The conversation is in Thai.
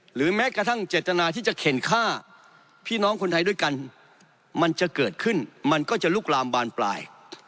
หรือแม้กระทั่งเจตนาที่จะเข็นฆ่าพี่น้องคนไทยด้วยกันมันจะเกิดขึ้นมันก็จะลุกลามบานปลาย